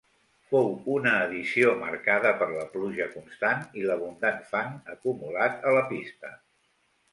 Fou una edició marcada per la pluja constant i l'abundant fang acumulat a la pista.